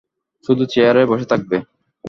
শুধু চেয়ারে বসে থাকবে।